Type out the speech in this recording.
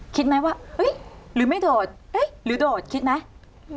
คิดไหมว่าหรือไม่โดดหรือโดดคิดไหม